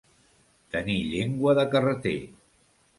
Tenir llengua de carreter.